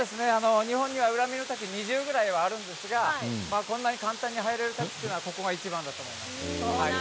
日本には裏見の滝が２０ぐらいあるんですがこんなに簡単に入れる滝はここがいちばんだと思います。